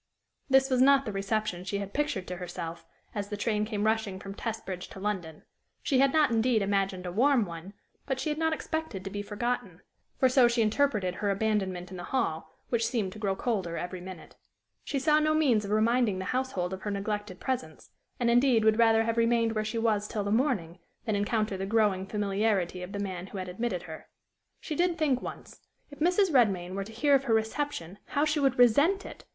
This was not the reception she had pictured to herself, as the train came rushing from Testbridge to London; she had not, indeed, imagined a warm one, but she had not expected to be forgotten for so she interpreted her abandonment in the hall, which seemed to grow colder every minute. She saw no means of reminding the household of her neglected presence, and indeed would rather have remained where she was till the morning than encounter the growing familiarity of the man who had admitted her. She did think once if Mrs. Redmain were to hear of her reception, how she would resent it!